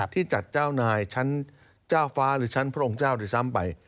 ที่จัดเจ้านายชั้นเจ้าฟ้าหรือชั้นพระองค์เจ้าด้วยซ้ำไป